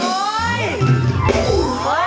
โจ๊ย